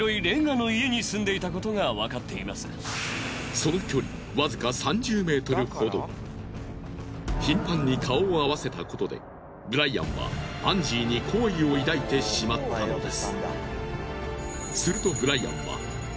そのいちばんの頻繁に顔を合わせたことでブライアンはアンジーに好意を抱いてしまったのです。